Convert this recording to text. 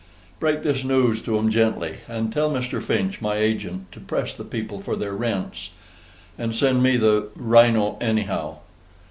Break this news to 'em gently: and tell Mr. Finch, my agent, to press the people for their rents, and send me the RYNO anyhow.